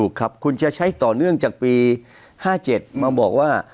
ครับคุณจะใช้ต่อเนื่องจากปี๕๗มาบอกว่า